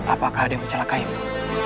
apakah ada yang mencelakaimu